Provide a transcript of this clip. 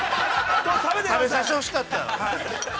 食べさせてほしかった。